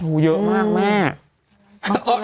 อยู่เยอะมากแม่